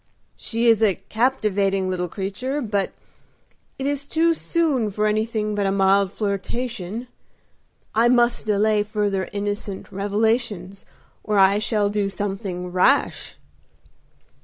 "She is a captivating little creature, but it is too soon for anything but a mild flirtation. I must delay further innocent revelations or I shall do something rash."